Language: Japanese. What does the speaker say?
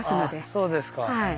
そうですか。